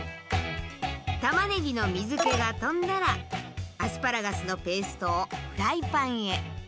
たまねぎの水けが飛んだらアスパラガスのペーストをフライパンへ。